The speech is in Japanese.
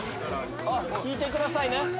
引いてくださいね。